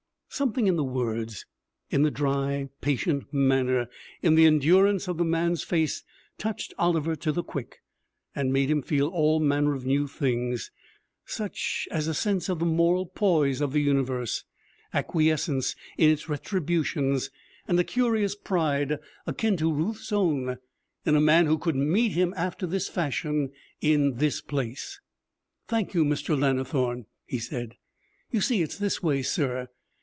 Something in the words, in the dry, patient manner, in the endurance of the man's face, touched Oliver to the quick and made him feel all manner of new things: such as a sense of the moral poise of the universe, acquiescence in its retributions, and a curious pride, akin to Ruth's own, in a man who could meet him after this fashion, in this place. 'Thank you, Mr. Lannithorne,' he said. 'You see, it's this way, sir.